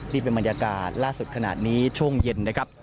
นี่เป็นบรรยากาศล่าสุดขนาดนี้ช่วงเย็นนะครับ